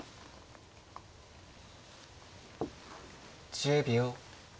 １０秒。